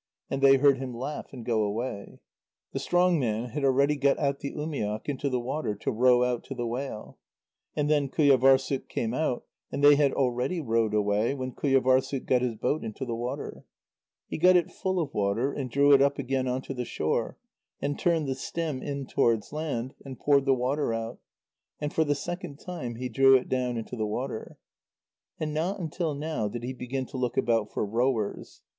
And they heard him laugh and go away. The strong man had already got out the umiak into the water to row out to the whale. And then Qujâvârssuk came out, and they had already rowed away when Qujâvârssuk got his boat into the water. He got it full of water, and drew it up again on to the shore, and turned the stem in towards land and poured the water out, and for the second time he drew it down into the water. And not until now did he begin to look about for rowers.